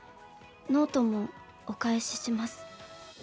「ノートもお返しします」